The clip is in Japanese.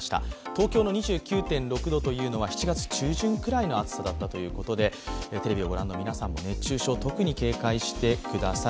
東京の２９．６度というのは７月中旬ぐらいの暑さだったということでテレビをご覧の皆さんも熱中症、特に警戒してください。